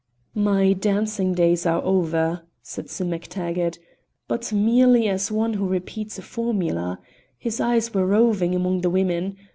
"My dancing days are over," said Sim MacTaggart, but merely as one who repeats a formula; his eyes were roving among the women.